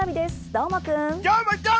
どーもくん？